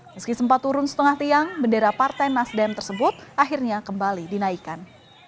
meski sempat turun setengah tiang bendera partai nasdem tersebut akhirnya kembali dinaikkan